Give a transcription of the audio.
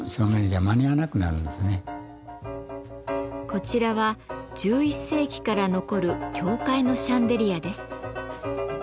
こちらは１１世紀から残る教会のシャンデリアです。